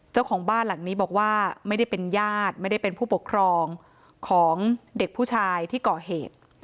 เจ้าของบ้านหลังนี้บอกว่าไม่ได้เป็นญาติไม่ได้เป็นผู้ปกครองของเด็กผู้ชายที่ก่อเหตุ